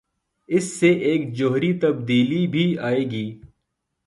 اس سے ایک جوہری تبدیلی بھی آئے گی۔